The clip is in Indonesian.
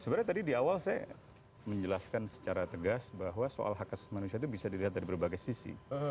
sebenarnya tadi di awal saya menjelaskan secara tegas bahwa soal hak asasi manusia itu bisa dilihat dari berbagai sisi